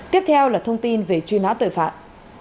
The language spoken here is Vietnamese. tiếp theo là thông tin về truy nã tội phạm